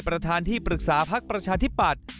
ประธานที่ปรึกษาพักประชาธิปัตย์